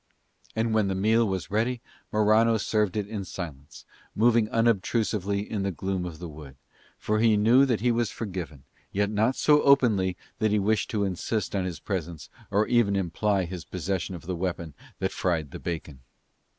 And when the meal was ready Morano served it in silence, moving unobtrusively in the gloom of the wood; for he knew that he was forgiven, yet not so openly that he wished to insist on his presence or even to imply his possession of the weapon that fried the bacon.